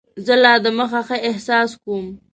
زه لا دمخه ښه احساس کوم.